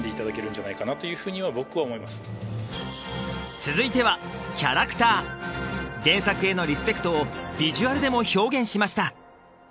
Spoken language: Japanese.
続いてはキャラクター原作へのリスペクトをビジュアルでも表現しました